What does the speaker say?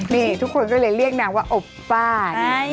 นี่ทุกคนก็เลยเรียกนางว่าอบฟ่าน